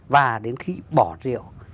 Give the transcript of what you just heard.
và đến khi bỏ rượu